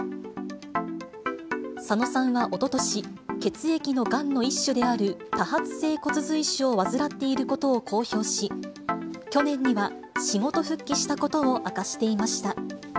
佐野さんはおととし、血液のがんの一種である多発性骨髄腫を患っていることを公表し、去年には仕事復帰したことを明かしていました。